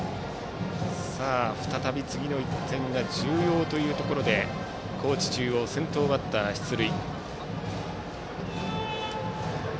再び、次の１点が重要というところで高知中央、先頭バッター出塁。